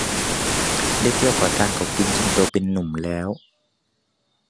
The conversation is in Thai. ได้เที่ยวขอทานเขากินจนโตเป็นหนุ่มแล้ว